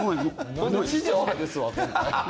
地上波ですわ今回。